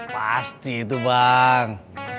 pasti itu bang